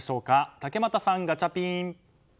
竹俣さん、ガチャピン。